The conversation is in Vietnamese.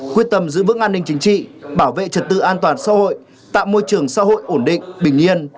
quyết tâm giữ vững an ninh chính trị bảo vệ trật tự an toàn xã hội tạo môi trường xã hội ổn định bình yên